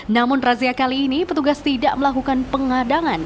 namun razia kali ini petugas tidak melakukan pengadangan